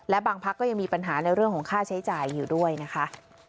และบางพักก็ยังมีปัญหาในเรื่องของค่าใช้จ่ายอยู่ด้วยนะคะ